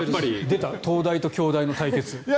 出た、東大と京大の対決。